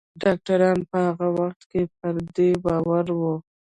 ډاکتران په هغه وخت کې پر دې باور وو